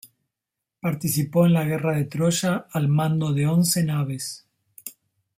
Participó en la guerra de Troya al mando de once naves.